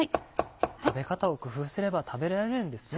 食べ方を工夫すれば食べられるんですね。